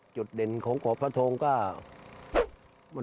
จุดเด่นของกะพะทองก็